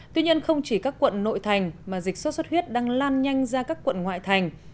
tuy nhiên không chỉ các quận nội thành mà dịch sốt xuất huyết đang lan nhanh ra các quận ngoại thành